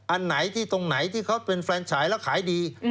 อันไหนที่ตรงไหนที่เขาเป็นแฟนฉายแล้วขายดี